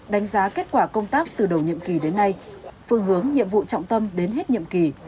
đánh giá kết quả công tác từ đầu nhiệm kỳ đến nay phương hướng nhiệm vụ trọng tâm đến hết nhiệm kỳ